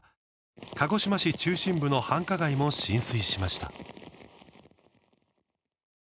鹿児島市中心部の繁華街も浸水しました。